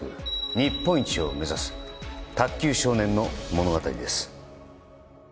日本一を目指す卓球少年の物語です